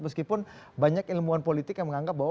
meskipun banyak ilmuwan politik yang menganggap bahwa